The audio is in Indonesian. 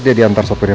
dia diantar sopirnya